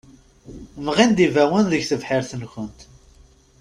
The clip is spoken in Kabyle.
Mɣin-d ibawen deg tebḥirt-nkent?